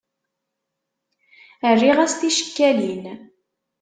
Rriɣ-as ticekkalin.